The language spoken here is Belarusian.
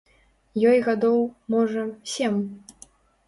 Ёй гадоў, можа, сем.